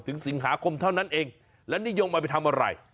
ถึงสิงหาคมเท่านั้นเองแล้วนี่ย่งมาไปทำอะไร